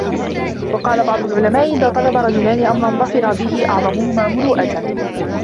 وَقَالَ بَعْضُ الْعُلَمَاءِ إذَا طَلَبَ رَجُلَانِ أَمْرًا ظَفِرَ بِهِ أَعْظَمُهُمَا مُرُوءَةً